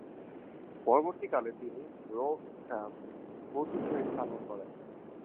পরবর্তীকালে তিনি রো-স্কাম বৌদ্ধবিহার স্থাপন করেন।